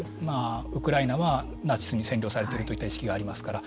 ウクライナはナチスに占領されているといった意識がありますから。